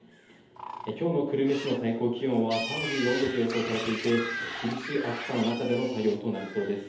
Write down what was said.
きょうの久留米市の最高気温は３４度と予想されていて、厳しい暑さの中での作業となりそうです。